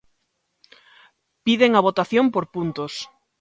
Piden a votación por puntos.